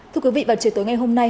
thưa quý vị vào chiều tối ngày hôm nay